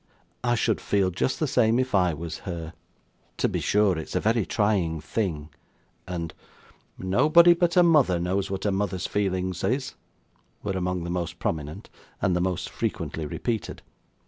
'I should feel just the same, if I was her' 'To be sure, it's a very trying thing' and 'Nobody but a mother knows what a mother's feelings is,' were among the most prominent, and most frequently repeated.